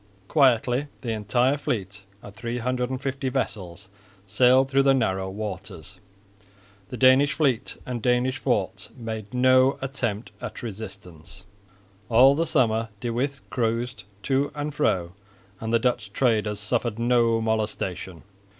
Quietly the entire fleet of 350 vessels sailed through the narrow waters. The Danish fleet and Danish forts made no attempt at resistance. All the summer De With cruised to and fro and the Dutch traders suffered no molestation.